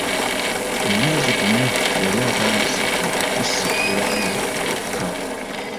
Mu mwezi gumu yali atandise okukusitulamu yekka.